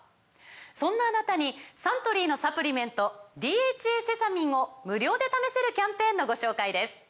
そんなあなたにサントリーのサプリメント「ＤＨＡセサミン」を無料で試せるキャンペーンのご紹介です